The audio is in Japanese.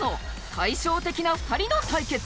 対照的な２人の対決